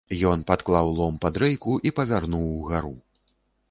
Ён падклаў лом пад рэйку і павярнуў угару.